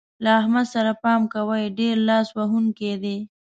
له احمد سره پام کوئ؛ ډېر لاس وهونکی دی.